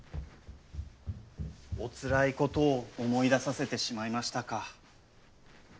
おつらいことを思い出させてしまいましたか。